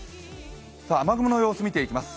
雨雲の様子、見ていきます。